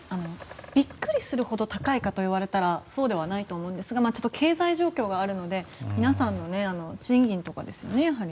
びっくりするほど高いかと言われたらそうではないと思うんですが経済状況があるので皆さんの賃金とかですよねやはり。